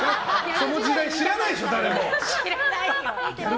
その時代、誰も知らないでしょ。